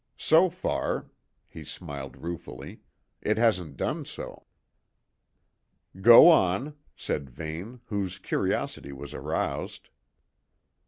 So far" he smiled ruefully "it hasn't done so." "Go on," said Vane, whose curiosity was aroused.